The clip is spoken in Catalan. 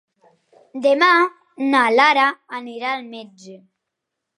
Demà na Lara anirà al metge.